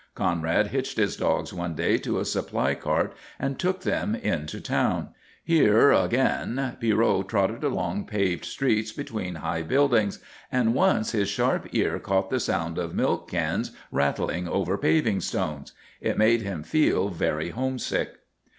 Conrad hitched his dogs one day to a supply cart and took them in to town. Here again Pierrot trotted along paved streets between high buildings, and once his sharp ear caught the sound of milk cans rattling over paving stones. It made him feel very homesick.